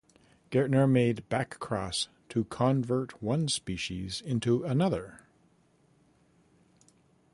Gaertner made back cross to convert one species into another.